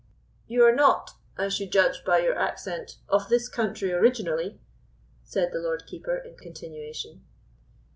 "You are not, I should judge by your accent, of this country originally?" said the Lord Keeper, in continuation.